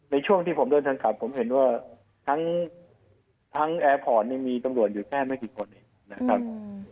ในช่วงที่ผมเดินทางกลับผมเห็นว่าทั้งแอร์พอร์ตมีตำรวจอยู่แค่ไม่กี่คนเองนะครับ